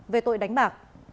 về tội đánh bạc